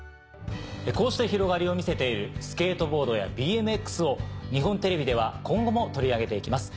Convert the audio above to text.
こうして広がりを見せているスケートボードやＢＭＸを日本テレビでは今後も取り上げて行きます。